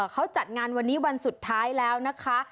เขาจัดงานวันนี้วันสุดท้ายแล้วนะคะ